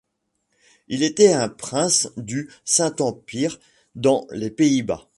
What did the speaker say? Il était un prince du Saint-Empire dans les Pays-Bas.